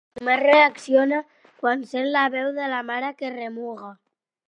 Només reacciona quan sent la veu de la mare que remuga.